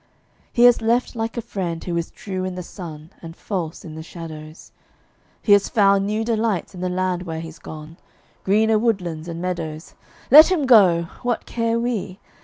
He has left like a friend who is true in the sun And false in the shadows; He has found new delights in the land where he's gone, Greener woodlands and meadows. Let him go! what care we?